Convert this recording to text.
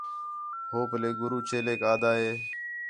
ہو پلے گُرو چیلیک آدھا ہِے